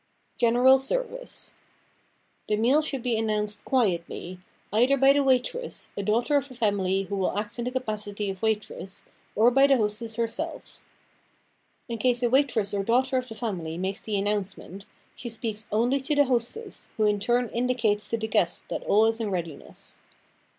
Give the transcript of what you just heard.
9 en era is, ervice THE meal should be announced quietly, either by the waitress, a daughter of the family who will act in the capacity of waitress, or by the hostess herself. In In case a waitress or daughter of the family makes the announcement, she speaks only to the hostess, who in turn indicates to the guests that all is in readiness.